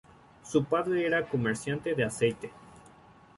Su padre era comerciante de aceite.